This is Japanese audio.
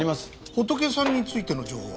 ホトケさんについての情報は？